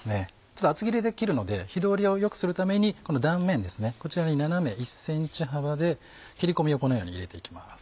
ちょっと厚切りで切るので火通りを良くするためにこの断面こちらに斜め１ｃｍ幅で切り込みをこのように入れて行きます。